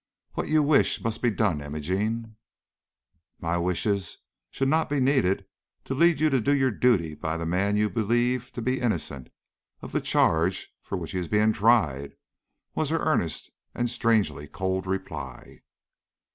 What you wish must be done, Imogene." "My wishes should not be needed to lead you to do your duty by the man you believe to be innocent of the charge for which he is being tried," was her earnest and strangely cold reply.